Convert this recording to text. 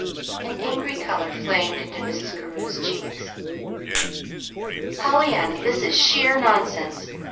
An angry color flamed into Mrs. Carew's cheeks. "Pollyanna, this is sheer nonsense.